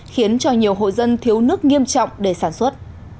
khiến cho nhiều hộ dân thiếu nước nghiêm trọng để sản xuất